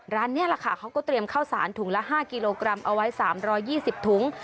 นี่แหละค่ะเขาก็เตรียมข้าวสารถุงละ๕กิโลกรัมเอาไว้๓๒๐ถุง